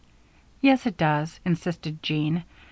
"Yes, it does," insisted Jean.